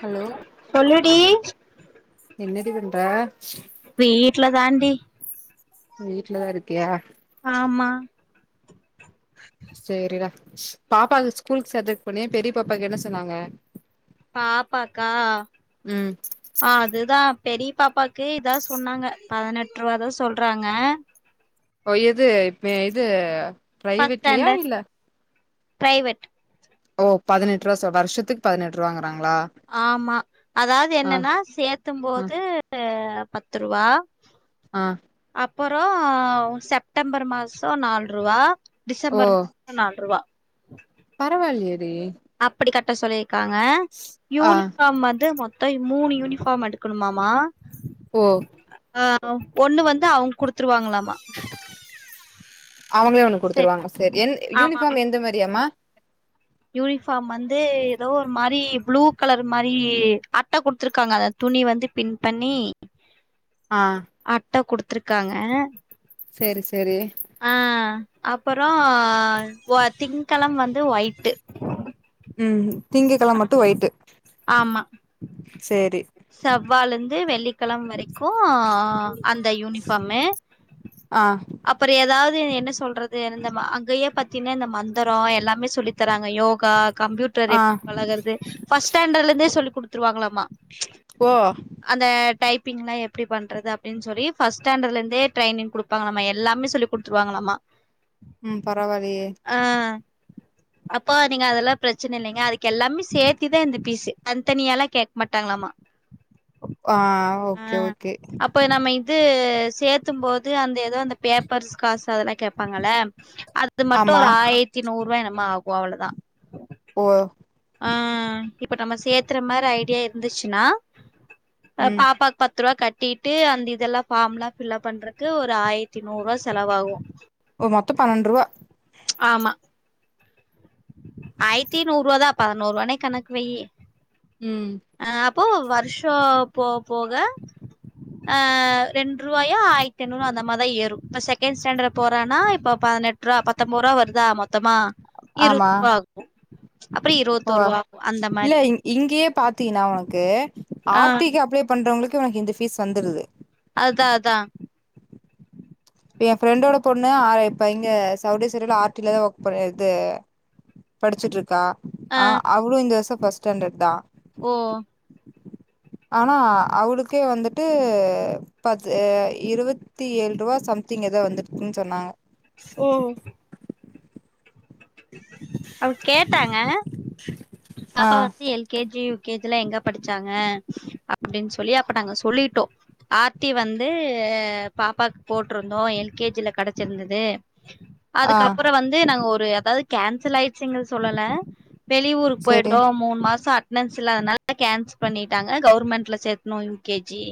hello சொல்லுடி என்னடி பண்ற வீட்ல தான்டி வீட்லதா இருக்கியா ஆமா சேரிடா பாப்பா ஸ்கூல் சேத்தற்துக் போனியா பெரிய பாப்பாக்கு என்ன சொன்னாங்க பாப்பாக்கா ம் அதுதா பெரிய பாப்பாக்கு இதா சொன்னாங்க பதினெட் ரூவா தா சொல்றாங்க ஓ எது இப்ப இது ஃபஸ்ட் பிரைவேட்லயா ஸ்டேன்டட் இல்ல பிரைவேட் ஓ பதினெட்ரூவா சொ வருஷத்துக்கு பதினெட்ரூவாங்கறாங்ளா ஆமா அதாவது என்னன்னா ஆ சேத்தும்போது பத்து ரூவா ஆ அப்பறோ செப்டம்பர் மாசோ நால் ரூவா ஓ டிசம்பர் மாசோ நாலு ரூவா பரவால்லயேடி அப்புடி கட்ட சொல்லியிருக்காங்க ஆ யூனிஃபார்ம் வந்து மொத் தோ மூணு யூனிஃபார்ம் எடுக்கணுமாமா ஓ ஆ ஒண்ணு வந்து அவுங் குடுத்துருவாங்ளாமா அவுங்ளே ஒண்ணு சரி குடுத்துருவாங்க செரி என் ஆமா யூனிஃபார்ம் எந்த மாரியாமா யூனிஃபார்ம் வந்து ஏதோ ஒரு மாரி ப்ளூ கலர் மாரி அட்ட குடுத்துருக்காங்க அத துணி வந்து பின் பண்ணி ஆ அட்ட குடுத்துருக்காங்க செரி செரி ஆ அப்பறோ திங்கெழம் வந்து ஒயிட்டு் ம் திங்ககிழம மட்டு ஒயிட்டு ஆமா சேரி செவ்வாலந்து வெள்ளிக்கெழம வரைக்கு அந்த யூனிஃபார்ம்மு ஆ அப்புற ஏதாவது என்ன சொல்றது இந்த அங்கேயே பாத்தீன்னா இந்த மந்தரோ எல்லாமே சொல்லி தராங்க யோகா கம்ப்யூட்டர் ஆ எப்டி பழகறது ஃபஸ்ட் ஸ்டாண்டர்ட்ல இருந்தே சொல்லி் குடுத்துருவாங்களாமா போ அந்த டைப்பிங்ல எப்டி பண்றது அப்டின் சொல்லி ஃபஸ்ட் ஸ்டாண்டர்ல இருந்தே ட்ரைனிங் குடு ப்பாங்லாமா எல்லாமே சொல்லி குடுத்துருவாங்லாமா ம் பரவால்லையே அப்போ நீங்க அதெல்லா பிரச்சன இல்லைங்க அதுக்கு எல்லாமே சேர்த்திதா இந்த ஃபீஸ்சு தன்தனியலா கேட்க மாட் டாங்ளாமா ஆ ஓகே ஓகே இப்ப நம்ம இது சேர்த்தும் போது அந்த ஏதோ அந்த பேப்பர்ஸ் காசு அதெல்லா கேட்பாங்கல அது மட்டு ஆமா ஒரு ஆயிரத்தி நூறு ரூவா என்னமோ ஆகு அவ்ள தா ஓ ஆ இப்ப நம்ம சேத்துற மாரி ஐடியா இருந்துச்சுன்னா அ ம் பாப்பாக் பத்து ரூவா கட்டிட்டு அந்த இதெல்லா ஃபார்ம்லா ஃபில்லப் பண்றக்கு ஒரு ஆயி ரத்தி நூறு ரூவா செலவாகு ஓ மொத்தோ பன்னெண்ட்ரூவா ஆமா ஆயிரத்தி நூறுரூவா தா பதினோறு ரூவானே கணக்கு வெய்யி ம் அ அப்போ வர்ஷோ போ போக ஆ ரெண்ட் ரூவாயோ ஆயித்தி இருநூறு அந்த மார்தா ஏறு இப்ப செகண்ட் ஸ்சாண்டர்ட் போறான்னா இப்ப பதினெட்டு ரூவா பத்தெம்போரா வருதா மொத்தமா ஆமா இருபது ரூபா ஆகு ஓ அந்த இல்ல மாரி இங் இங்கே பாத்தீனா உனக்கு ஆ ஆர்த்திக்கு ஆர்டிகா பண்றவுங்களுக்கு உனக்கு இந்த ஃபீஸ் வந்துருது அதா அதா இப்ப என் ஃப்ரெண்டோட பொண்ணு ஆ இப்ப இங்க சவுடேஸ்வரில ஆர்டில தா ஒர்க் பண் இது படிச்சுட்டுருக்கா ஆ அவுளு இந்த வர்ஷோ ஃபஸ்ட் ஸ்டாண்டர்ட் தா ஓ ஆனா அவுளுக்கே வந்துட்டு பது இருவத்தி ஏழு ரூபா சம்திங் ஏதோ வந்துருக்குன்னு சொன்னாங்க இப்போ அவுங்க கேட்டாங்க ஆ பாப்பா வந்து L K G U K G லாம் எங்க படிச்சாங்க அப்பிடின்னு சொல்லி அப்ப நாங்க சொல்லிட்டோ ஆத்தி வந்து பாப்பாக்கு போட்டிருந்தோம் எல் கே ஜி ஐ கடைச்சிருந்தது ம் அதுக்கப்புறம் வந்து நாங்க ஒரு அதாவது கேன்சல் ஆயிடுச்சுங்க சொல்லல வெளியூர் செரி போயிட்டோ மூணு மாசம் ஆ என்ஸ்ல்ல அதனால கேன்சல் பண்ணிட்டாங்க கவர்மெண்ட்ல சேத்தணும் யுகேஜி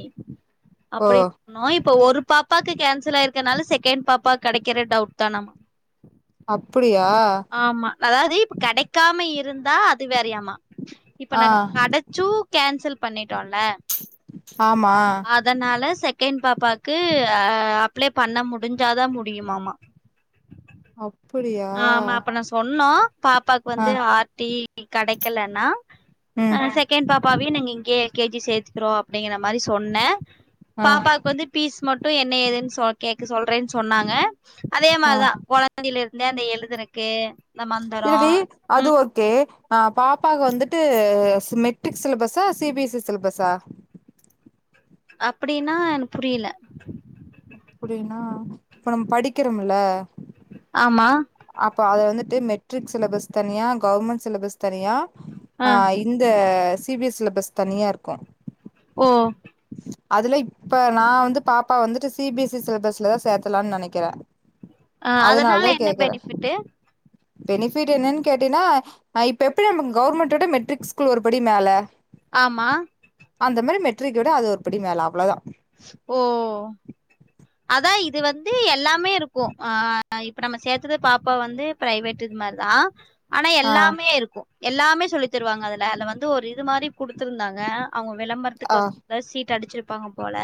ஓ அப்பிடி [unintelligible] இப்ப ஒரு பாப்பாக்கு கேன்சல் ஆயிருக்கனால செகண்ட் பாப்பா கடைக்கிற டவுட் தானம்மா அப்பிடியா ஆமா அதாவது இப்ப கெடைக்காம இருந்தா அது வேறையாம இப்ப ஆ நாங்க கெடைச்சும் கேன்சல் பண்ணிட்டோம்ல ஆமா அதனால செகண்ட் பாப்பாக்கு அ அப்ளை பண்ண முடிஞ்சாதான் முடியுமாமா ஔ ஆ ஆமா அப்ப நான் சொன்னோம் பாப்பா ஆ வந்து ஆத்திக்கு கெடைக்கலன்னா அ ம் செ செகண்ட் பாப்பாவையும் நீங்க இலங்கையே எல் கே ஜி சேத்துக்கோ அப்பிடிங்கிற மாரி சொன்னே ஆ பாப்பாவுக்கு வந்து பீஸ் மட்டும் என்ன ஏதுன்னு சொ கேக்க சொல்றேன்னு சொன்னாங்க அதே ஆ மாரிதான் கொழந்தையில இருந்தே அந்த எழுதருதுக்கே இந்த மந்திரம் ம் கே அ பாப்பா வந்துட்டு மெட்ரிக் சிலபஸா சி பி எஸ் இ சிலபஸா அப்பிடின்னா புரியல அப்பிடின்னா இப்ப நம்ம படிக்கிறோம்ல ஆமா அப்போ அது வந்துட்டு மெட்ரிக் சிலபஸ் தனியா கவுர்மெண்ட் சிலபஸ் தனியா ஆ இந்த சி பி எஸ் சிலபஸ் தனியா இருக்கோ ஓ அதுலை இப்ப நான் வந்து பாப்பா வந்துட்டு சி பி எஸ் சிலபஸ்லதான் சேக்கலாம்னு நனைக்கிறேன் ஆ அதனால என்ன பெனிஃபிட் பெனிஃபிட் என்னன்னு கேட்டீன்னா ஆ இப்ப எப்பிடி நம்ம கவுர்மெண்ட் விட மெட்ரிக் ஸ்கூல் ஒருபடி மேல ஆமா அந்த மாரி மெட்ரிக்க விட அது ஒருபடி மேல அவ்ளோதான் ஓ அதான் இது வந்து எல்லாமே இருக்கும் ஆ இப்போ நம்ம சேத்தது பாப்பா வந்து பிரைவேட் இது மாதிரிதான் ஆனா ஆ எல்லாமே இருக்கும் எல்லாமே சொல்லி தருவாங்க அதுல அது வந்து ஒரு இது மாதிரி குடுத்துருந்தாங்க அவுங்க ஆ விளம்பரத்துக்கோச சீட் அடிச்சிருப்பாங்க போல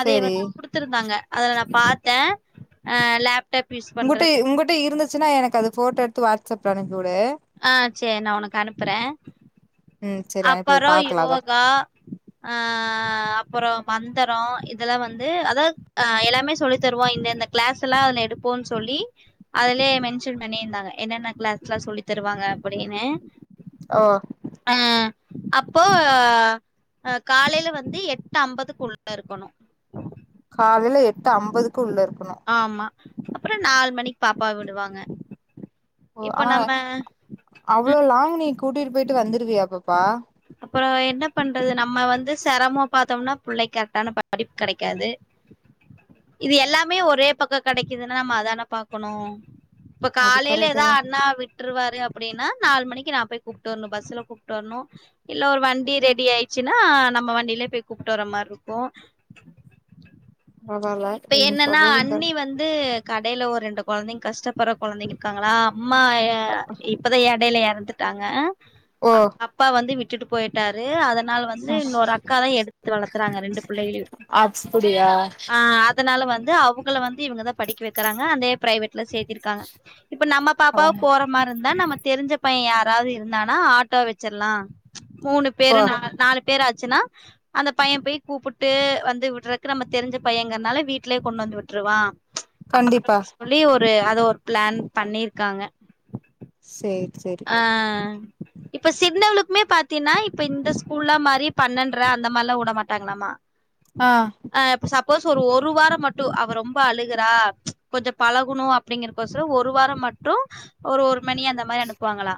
அதேய சேரி வந்து டுத்து இருந்தாங்க அதுல நான் பாத்தேன் ஆ லேப் உங்க்கிட்ட உங்க்கிட்ட இருந்துச்சுன்னா எனக்கு அது ஃபோட்டோ எடுத்து வாட்ஸ்ஆப்ல அனுப்பி விடு ஆ செரி நான் உனக்கு அனுப்புறேன் ம் சரி அனுப்பிவுடு அப்பறம் பாக்கலா அத யோகா அ அப்பறம் மந்திரம் இதெல்லாம் வந்து அதான் ஆ எல்லாமே சொல்லி தருவோம் இந்த இந்த கிளாஸ் எல்லா அதுல எடுப்போம் சொல்லி அதுலயே மென்ஷன் பண்ணியிருந்தாங்க என்னென்ன கிளாஸ்ல்லா சொல்லி த ருவாங்க அப்டின்னு ஓ அப்போ காலையில வந்து எட்டு ஐம்பதுக்கு உள்ள இருக்கணு காலையில எட்டு ஐம்பதுக்கு உள்ள இருக்கணு ஆமா அப்புறோ நாலு மணிக்கு பாப்பாவ விடுவாங்க ஓ இப்ப ஆ நம்ம அவ்ளோ லாங்கு நீ கூட்டிட்டு போயிட்டு வந்துருவியா பாப்பா அப்பறோ என்ன பண்றது நம்ம வந்து செரம பாத்தோம்னா புள்ளைக் கரெக்டான படிப்பு கெடைக்காது இது எல்லாமே ஒரே பக்க கெடைக்குதுன்னா நம்ம அதானே பாக்கணு இப்ப அது காலையில கரெக்ட் எதா தா அண்ணா விட்டு விட்ருவாரு அப்டின்னா நாலு மணிக்கு நா போய் கூப்ட்டு வரணு பஸ்ல கூப்ட்டு வரணு இல்ல ஒரு வண்டி ரெடி ஆயிச்சுன்னா நம்ம வண்டியிலயே போய் கூப்ட்டு வர மாரி இருக்கு பரவால்ல இப்ப நீ என்னன்னா சொல்றது அண்ணி கரெக்ட் வந்து கடையில ஒரு ரெண்டு கோழந்தைங்க கஷ்டப்ப படுற கொழந்தைங்க இருக்காங்களா அம்மா அ இப்பதா ஏடையில எறந்துட்டாங்க ஓ அப்பா வந்து விட் டுட்டு போயிட்டாரு அதனால வந்து இன்னொரு அக்கா தா எடுத்து வளத்துறாங்க ரெண்டு பிள்ளைகளையு அப்புடியா அ அதனால வந்து அவுங்கள வந்து இவுங்கதா படிக்க வக்கிறாங்க அந்தே பிரைவேட்ல சேத்திருக்காங்க இப்ப நம்ம பாப்பாவு போற மாரி இருந்தா நம்ம தெரிஞ்ச பைய யாராவது இருந்தானா ஆட்டோ வச்சிட்லா மூணு ஓ பேரு நாலு பேரு ஆச்சுன்னா அந்த பைய போய் கூப்புட்டு வந்து விடுறக்கு நம்ம தெரிஞ்ச பையங்கறனால வீட்டு லே கொண்டு வந்து விட்டுருவா கண்டிப்பா அப்டினு சொல்லி ஒரு அத ஒரு பிளான் பண்ணிருக்காங்க சேரி சேர் ஆ இப்ப சின்னவனுக்குமே பாத்தீங்ன்னா இப்ப இந்த ஸ்கூல்லா மாரி பண்ணண்ற அந்த மாரில்லா உட மாட்டாங்களலாமா ஆ ஆ இப்ப சப்போஸ் ஒரு ஒரு வாரம் மட்டு அவ ரொம்ப அழுகுறா கொஞ்ச பழகுணு அப் படிங்கிறகோசு ஒரு வார மட்டு ஒரு மணி அந்த மாரி அனுப் ப்புவாங்களா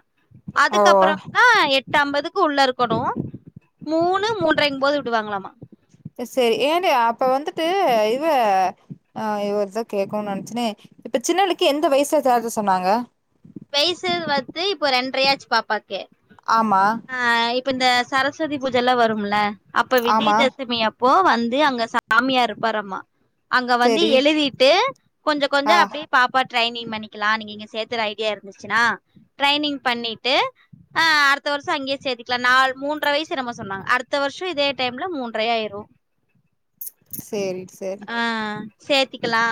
ஓ அதுக்கப்புறமா எட் டு ஐம்பதுக்கு உள்ள இருக்கணு மூணு மூன்ரைங்கு போது விடுவாங்களாமா அப்ப செரி ஏன்டி அப்ப வந்துட்டு இவ ஆ இவ எதோ கேகனு நெனச்சனே இப்ப சின்னவன்க்கு எந்த வயசுல சேக்க சொன்னாங்க வயசு வந்து இப்போ ரெண்ரையாச்சு பாப்பாக்கு ஆமா ஆ இப்ப இந்த சரஸ்வதி பூஜைல்லா வரும்ல அப்ப ஆமா விஜயதசமி அப்ப போ வந்து அங்க சாமியார் இருப்பாரம்மா அங்க வந்து சரி எழுதிட்டு கொஞ்ச கொஞ்ச ஆ அப்டியே பாப்பாவ ட்ரைனிங் பண்ணிக்கலா நீங்க இங்க சேத்தற ஐடியா இருந்துச்சுனா ட்ரைனிங் பண்ணிட்டு ஆ அடுத்த வருஷ அங்கேயே சேத்திக்கலான் நால் மூன்ற வயசு என்னமோ சொன்னாங்க அடுத்த வருஷ இதே டைம்ல மூன்றே ஆயிரு சரி சரி ஆ சேத்திக்கலா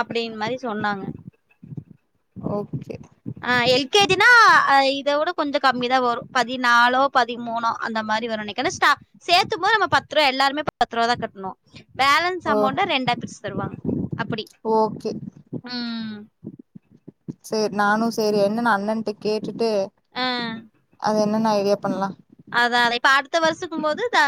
அப்டின்னு மாரி சொன்னாங்க ஓகே ஆ எல் கே ஜி னா இத விட கொஞ்ச கம்மி தா வரு பதினாலோ பதிமூனோ அந்த மாரி வரு நென ஏனா ஸ்டா சேத்தும் போது நம்ம பத்து ரூபா எல்லாருமா பத்துருவா தா கட்டனு பேலன்ஸ் ஓ அமௌண்டா ரெண்டா பிரிச்சு தருவாங்க அப்படி ஓகே உ செரி நானு செரி என்னா அண்ணன்ட்ட கேட்டுட்டு ஆ அது என்னன்னு ஐடியா பண்ணலா அதானே இப்ப அடுத்த வருஷக்கும் போது தா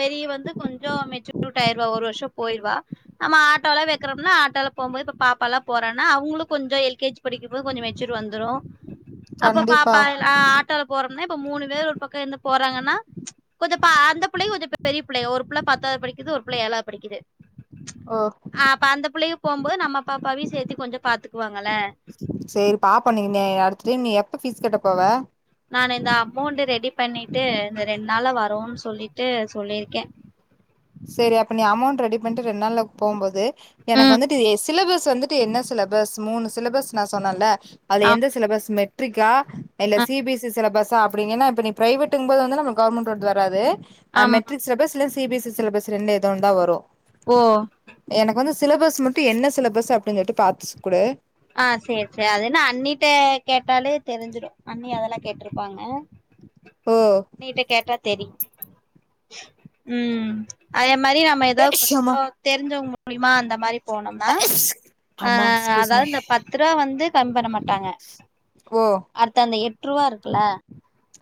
பெரிய வந்து கொஞ் கொஞ்ச மெச்சூட்டுடாய்ருவா ஒரு வருஷ போயிருவா நம்ம ஆட்டோலா வெக்குரோம்னா ஆட்டோல போம்போது இப்ப பாப்பா எல்லா போறேன்னா அவங்களு கொஞ்சோ எல் கே ஜி படிக்கும் போது கொஞ்ச மெச்சுரு வந்துரு அப்ப கண்டிப்பா பாப்பா ஆட்டோல போறோம்நா இப்ப மூணு பேர் ஒரு பக்கோ இருந்து போறாங்கன்னா கொஞ்ச பா அந்த புள்ளயு கொஞ்ச பெரிய புள்ள ஒரு புள்ள பத்தாவது படிக்குது ஒரு புள்ள ஏழாவது படிக்குது ஓ ஆ அப்ப அந்த புள்ளையு போம்போது நம்ம பாப்பாவையு சேர்த்தி கொஞ்ச பாத்துக்குவாங்கல்ல செரி பாப்போ நீங்க நீ அடுத்துட்ட நீ எப்ப ஃபீஸ் கட்ட போவ நா இந்த அமௌண்ட் ரெடி பண்ணிட்டு இந்த ரெண்டு நாள்ள வரேன்னு சொல்லிட்டு சொல்லியிருக்கே செரி அப்ப நீ அமௌண்ட் ரெடி பண்ணிட்டு ரெண்டு நாள்ள போம் போது எனக்கு ம் வந்துட்டு சிலபஸ் வந்து டு என்ன சிலபஸ் மூணு சிலபஸ் நா சொன்னன்ல அது ஆம் எந்த சிலபஸ் மெட் ட்ரிக்கா இல்ல ஆ சி பி எஸ் சிலபஸா அப் இப்பனிங்கன்ன இப்ப நீ பிரவேட்டுங்கும்போது வந்து நம் கவர்மெண்ட் டோடது வராது ஆமா மெட்ரிக்ஸிலபஸ் இல்ல C B S C syllabus ரெண்ட்ல எதோ ஒன்னுதா வரு ஓ எனக்கு வந்து சிலபஸ் மட்டு என்ன சிலபஸ் அப்டினுடு சொல்லிட்டு பாத்து குடு ஆ செரி செரி அதன்னா அண்ணிட்ட கேட்டாலே தெரிஞ்சிரு அண்ணி அதெல்லா கேட்ருப்பாங்க ஓ அண்ணிட்ட கேட்டா தெரியு உ அதே மாரி ந நம்ம ஏ ஏதாவது ஷம்மா கொஞ்ச தெரிஞ்சவங்க மூலியமா அந்த மாரி போனோம் நா ஆ அம்மா எக்ஸ்கியூஸ் அதாவது மீ இந்த பத்து ரூவா வந்து கம்மி பண்ண மாட்டாங்க ஓ அடுத்த அந்த எட்டு ரூபா இருக்குல்ல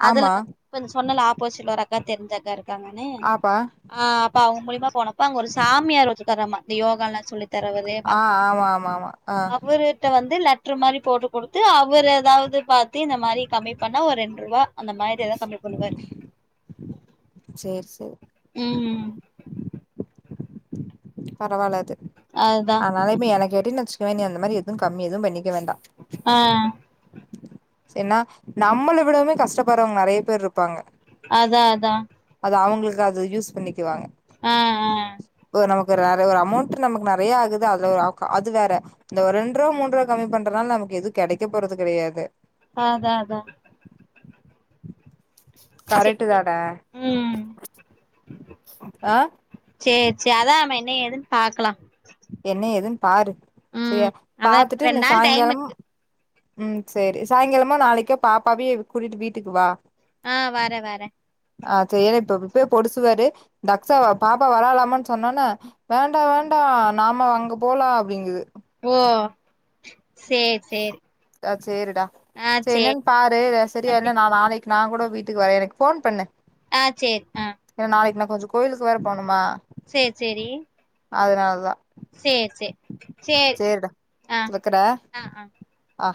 அதுல ஆமா வ கொஞ்ச சொன்னல்ல ஆப்போசிட்ல ஒர் அக்கா தெரிஞ்சக்கா இருக்காங்கன்னு ஆப்பா ஆ அப்ப அவங்க மூலிமா போன ப்ப அங்க ஒரு சாமியார் வச்சிகராமா இந்த யோகாலா சொல்லி தரவரு ஆ ஆமா ஆமா ஆமா ஆ கிட்ட வந்து லெட்ரு மாரி போட்டு கொடுத்து அவர் ஏதாவது பாத்து இந்த மாரி கம்மி பண்ணா ஒரு ரெண்டு ரூபா அந்த மாதிரி எதா கம்மி பண்ணுவாரு ஸோரி ஸோ உ உ பரவாயில்லஅது அதுதா அதனாலயுமே எனக்கு எடுனச்சுகவே நீ அந்த மாறி எது கம்மி எது பண்ணிக்க வேண்டா ஆ என்னா நம்மள விடமே கஷ்டப்படுறவங்க நெறைய பேர் இருப்பாங்க அதா அதா அது அவங்களுக்கு அது யூஸ் பண்ணிக்குவாங்க ஆ ஆ ஒரு நமக்கு ஒரு அமௌண்ட் நமக்கு நெறையா ஆகுது அது அது வேற இந்த ஒ ரெண்டு ரூபா மூன்ரூவா கம்மி பண்றதுனால நமக்கு எது கெடைக்க போறது கெடையாது அ அதா அதா கரெட்டு சேரி தானே ம் ஆ சேர் சே அதா நம்ம என்ன ஏதுன் பாக்கலா என்ன ஏதுன் பாரு ம் செரியா அதா பாத்துட்டு இன்னு ரெண்டு இன்ன நாள் டைம் சாயங்காலமா இருக்கு ம் சேரி சாயங்காலமோ நாளைக்கோ பாப்பாவையு கூட்டிட்டு வீட்டுக்கு வா ஆ வாரே வரே ஆ சேரி இப்ப இப்பயே பொடுசுவாரு தக்சாவ பாப்பா வரலாமான் சொன்னோனே வேண்டா வேண்டா நாம அங்க போலா அப்டிங்கிது ஓ சே அ சேரிடா சே என்னன் சேரி பாரு அ ஆ செரியா சேரி என்ன நா நாளைக் நாங்கூடோ வீட்டுக்கு வரே எனக்கு போன் பண்ணு ஆ சேர் ஆ ஏனா நாளைக்கி நா கொஞ்சோ கோயிலுக்கு வேற போனுமா சேர் சேரி அதுனாலதா சேர் சே சேரி‌டா வக்கிறே ஆ ஆ ‌ஆ